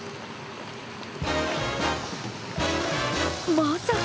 まさか？